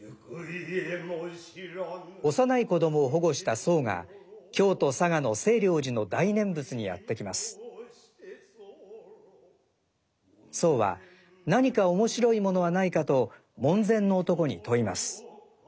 幼い子供を保護した僧が京都・嵯峨の清凉寺の大念仏にやって来ます。僧は何か面白いものはないかと門前の男に問います。